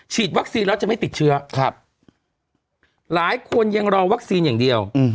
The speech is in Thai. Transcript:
วัคซีนแล้วจะไม่ติดเชื้อหลายคนยังรอวัคซีนอย่างเดียว